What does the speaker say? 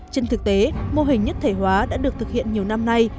trên thực tế mô hình nhất thể hóa đã được thực hiện nhiều năm nay